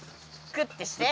クッてして。